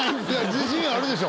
自信あるでしょ？